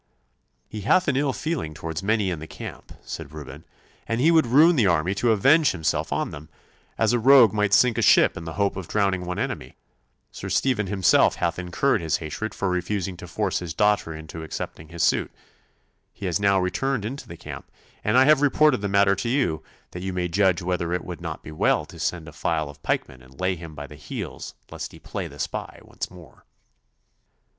'He hath an ill feeling towards many in the camp,' said Reuben, 'and he would ruin the army to avenge himself on them, as a rogue might sink a ship in the hope of drowning one enemy. Sir Stephen himself hath incurred his hatred for refusing to force his daughter into accepting his suit. He has now returned into the camp, and I have reported the matter to you, that you may judge whether it would not be well to send a file of pikemen and lay him by the heels lest he play the spy once more.